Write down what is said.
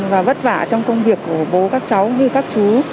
và vất vả trong công việc của bố các cháu như các chú